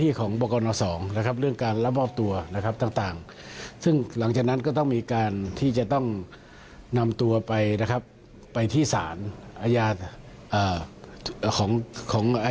ส่วนประเด็นนี้ค่ะหลายคนส่งคำถามมาเยอะนะคะ